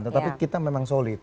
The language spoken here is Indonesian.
tetapi kita memang solid